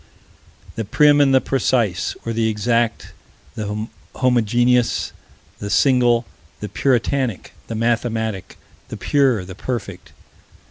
The prim and the precise, or the exact, the homogeneous, the single, the puritanic, the mathematic, the pure, the perfect.